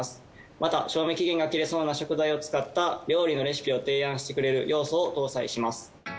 また賞味期限が切れそうな食材を使った料理のレシピを提案してくれる要素を搭載します。